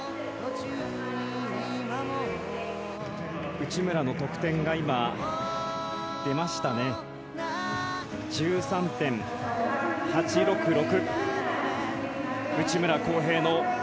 内村の得点が今出ましたね。１３．８６６。